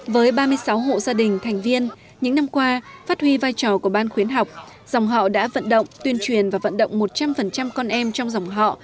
với ba mươi sáu hộ gia đình thành viên những năm qua phát huy vai trò của ban khuyến học dòng họ đã vận động tuyên truyền và vận động một trăm linh con em trong dòng họ